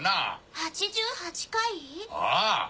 ８８回？ああ。